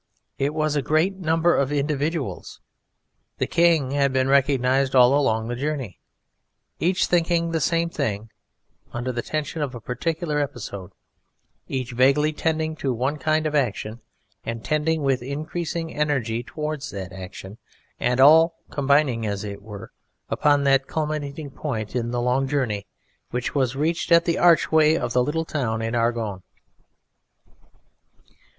It was a great number of individuals (the King had been recognized all along the journey), each thinking the same thing under the tension of a particular episode, each vaguely tending to one kind of action and tending with increasing energy towards that action, and all combining, as it were, upon that culminating point in the long journey which was reached at the archway of the little town in Argonne.